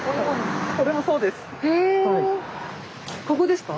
ここですか？